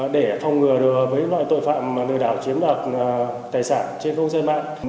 để phòng ngừa được với loại tội phạm lừa đảo chính do tài sản trên không gian mạng